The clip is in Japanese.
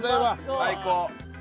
最高。